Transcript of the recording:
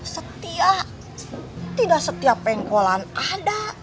setia tidak setiap pengkolan ada